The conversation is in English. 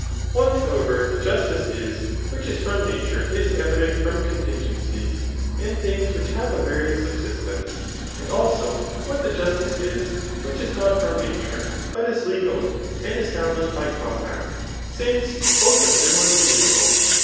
What, how^ ever, the justice is which is from nature is evident from contingencies, and things which have a various subsist ence, and also what the justice is which is not from nature, but is legal, and established by compact, since both are similarly mutable.